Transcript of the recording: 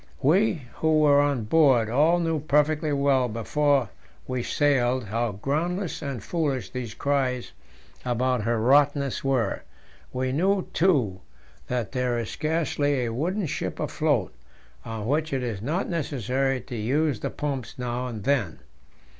We who were on board all knew perfectly well before we sailed how groundless and foolish these cries about her "rottenness" were; we knew, too, that there is scarcely a wooden ship afloat on which it is not necessary to use the pumps now and then.